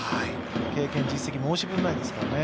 経験、実績、申し分ないですからね。